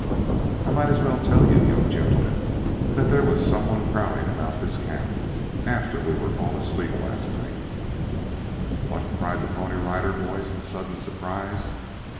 "I might as well tell you, young gentlemen, that there was some one prowling about this camp after we all were asleep last night " "What!" cried the Pony Riders in sudden surprise.